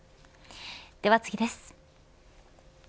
では次です。